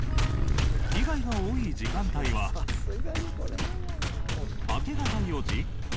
被害が多い時間帯は明け方４時？